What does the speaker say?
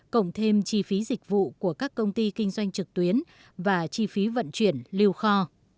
cộng thêm chi phí dịch vụ của các công ty kinh doanh trực tuyến và chi phí vận chuyển lưu kho